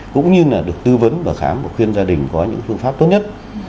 cũng như là được tư vấn và khám và khuyên gia đình có những phương pháp tốt nhất